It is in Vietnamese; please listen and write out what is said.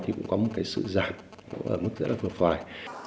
thì cũng có một cái sự giảm ở mức rất là vượt vài